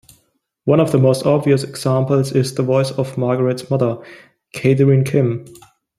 One of the most obvious examples is the voice of Margaret's mother, Katherine Kim.